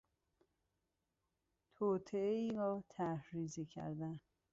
توطئهای را طرحریزی کردن